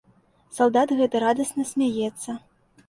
Салдат гэты радасна смяецца.